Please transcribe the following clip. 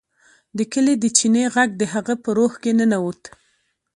د کلي د چینې غږ د هغه په روح کې ننوت